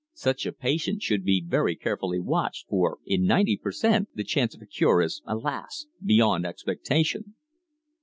Such a patient should be very carefully watched, for in ninety per cent. the chance of a cure is, alas! beyond expectation."